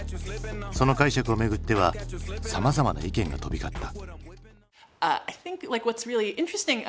その解釈をめぐってはさまざまな意見が飛び交った。